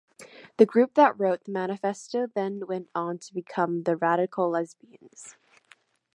The group that wrote the manifesto then went on to become the Radicalesbians.